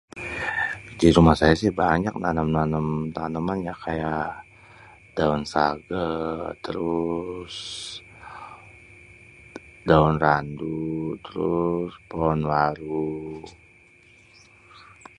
Di rumah saya sih banyak nanem-nanem taneman ya kayak daun sage terus daun randu terus pohon waru.